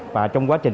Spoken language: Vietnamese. và trong quá trình